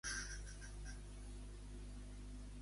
Creu el diari que és un fort aspirant?